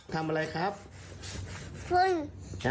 แซ่บหรอ